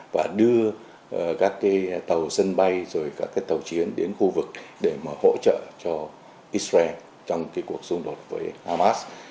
và đưa các cái tàu sân bay rồi các cái tàu chiến đến khu vực để mà hỗ trợ cho israel trong cái cuộc xung đột với hamas